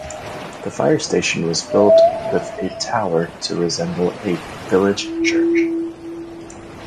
The fire station was built with a tower to resemble a village church.